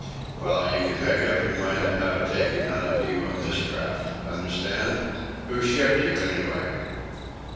Well, you can make up your mind to have it taken out of you on this craft. Understand? Who shipped you, anyway?"